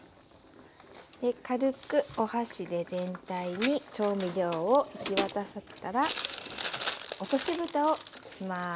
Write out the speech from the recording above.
軽くお箸で全体に調味料を行き渡らせたら落としぶたをします。